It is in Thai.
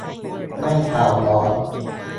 ไม่เป่าร้อน